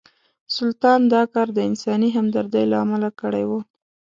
سلطان دا کار د انساني همدردۍ له امله کړی و.